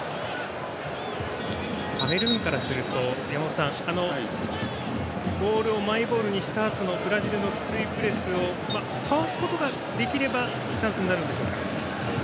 カメルーンからするとボールをマイボールにしたあとのブラジルのきついプレスをかわすことができればチャンスになるんでしょうか。